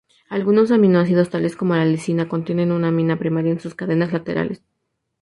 Algunos aminoácidos, tales como la lisina, contienen una amina primaria en sus cadenas laterales.